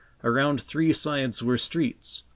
Around three sides were streets.